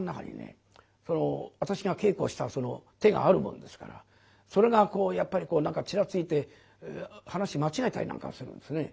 私が稽古したその手があるもんですからそれがやっぱり何かちらついて噺間違えたりなんかするんですね。